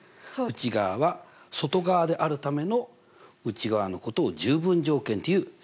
内側は外側であるための内側のことを十分条件っていう。